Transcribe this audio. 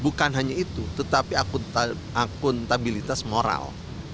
bukan hanya itu tetapi akuntabilitas moral